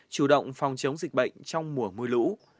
chủ động phòng chống dịch bệnh trong mùa mưa lũ